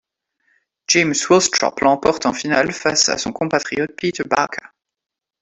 James Willstrop l'emporte en finale face à son compatriote Peter Barker.